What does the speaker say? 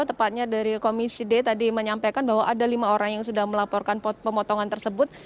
tepatnya dari komisi d tadi menyampaikan bahwa ada lima orang yang sudah melaporkan pemotongan tersebut